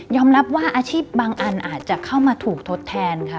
รับว่าอาชีพบางอันอาจจะเข้ามาถูกทดแทนค่ะ